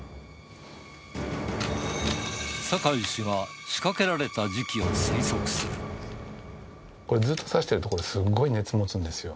酒井氏は仕掛けられた時期をこれ、ずっとさしてると、すごい熱持つんですよ。